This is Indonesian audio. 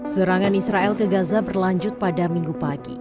serangan israel ke gaza berlanjut pada minggu pagi